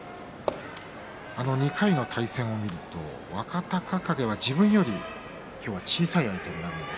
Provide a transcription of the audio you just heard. ２回の対戦を見ると若隆景が自分より小さい相手になります。